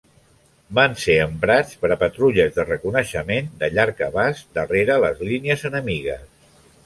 Van ser emprats per a patrulles de reconeixement de llarg abast darrere les línies enemigues.